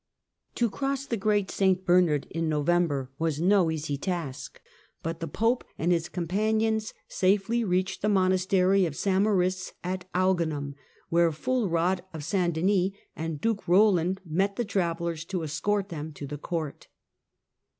To cross the Great St. Bernard in November was no isy task, but the Pope and his companions safely ached the monastery of St. Maurice at Agaunum, here Fulrad of St. Denis and Duke Roland met the avellers to escort them to the court.